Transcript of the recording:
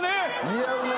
似合うな。